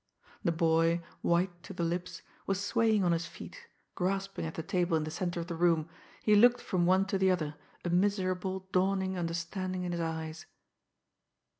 The boy, white to the lips, was swaying on his feet, grasping at the table in the centre of the room. He looked from one to the other, a miserable, dawning understanding in his eyes.